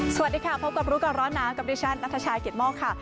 สวัสดีค่ะพบกับรุกร้อนน้ำกับดิฉันนัฐชายเกียรติมอกค่ะ